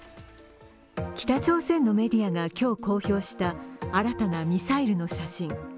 北朝鮮のメディアが今日公表した新たなミサイルの写真。